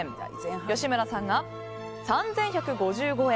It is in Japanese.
吉村さんが３１５５円。